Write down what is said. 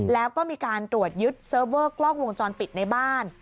แล้วก็มีการตรวจยึดเซิร์ฟเวอร์กล้องวงจรปิดในบ้าน